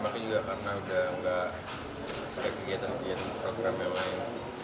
karena sudah tidak ada kegiatan kegiatan program yang lain